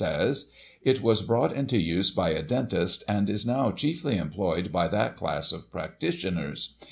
says :" It was brought into use by a dentist, and is, now, chiefly employed by that class of practitioners.